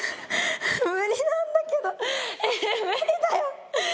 無理なんだけどえっ無理だよ。